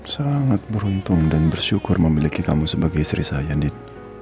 sangat beruntung dan bersyukur memiliki kamu sebagai istri saya nin